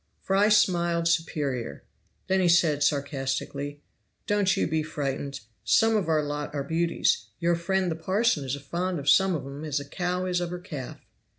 Fry smiled superior; then he said sarcastically: "Don't you be frightened, some of our lot are beauties; your friend the parson is as fond of some of 'em as a cow is of her calf."